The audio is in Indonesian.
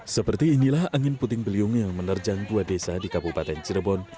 seperti inilah angin puting beliung yang menerjang dua desa di kabupaten cirebon